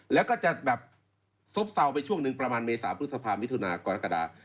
แล้วก็จะแบบซบเซาไปช่วงหนึ่งประมาณเมษาพฤษภามิถุนากรกฎา